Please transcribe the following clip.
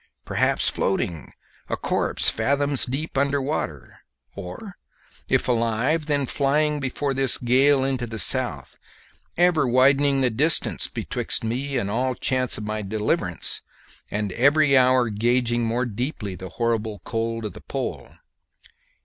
Perhaps floating, a corpse, fathoms deep under water, or, if alive, then flying before this gale into the south, ever widening the distance betwixt me and all chance of my deliverance, and every hour gauging more deeply the horrible cold of the pole.